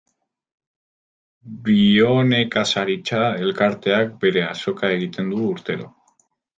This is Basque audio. Bionekazaritza elkarteak bere azoka egiten du urtero.